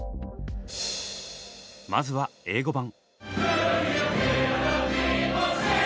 まずは英語版。